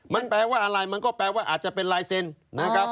มันแปลว่าอะไรมันก็แปลว่าอาจจะเป็นลายเซ็นต์นะครับ